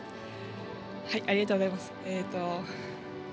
ありがとうございます。